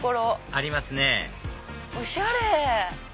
ありますねおしゃれ！